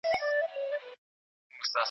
تاسي د مرغانو البوهمېشه لیدلي دي؟